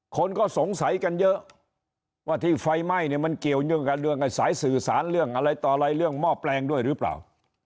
คนก็สงสัยกันเยอะว่าที่ไฟไหม้เนี่ยมันเกี่ยวเนื่องกับเรื่องสายสื่อสารเรื่องอะไรต่ออะไรเรื่องหม้อแปลงด้วยหรือเปล่า